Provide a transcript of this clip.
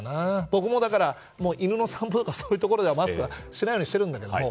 僕も犬の散歩とかそういうところではマスクはしないようにしているんだけども。